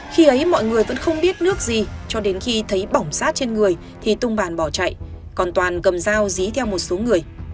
khi ấy mọi người vẫn không biết nước gì cho đến khi thấy bỏng sát trên người thì tung bàn bỏ chạy còn toàn cầm dao dí theo một số người